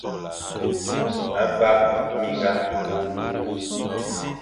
A bap minga.